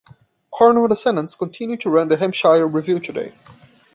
Cornwell descendants continue to run the Hampshire Review today.